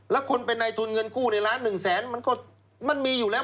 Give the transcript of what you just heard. แล้วคนเป็นในทุนเงินกู้ในล้านหนึ่งแสนมันก็มันมีอยู่แล้ว